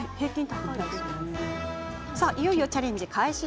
いよいよチャレンジ開始。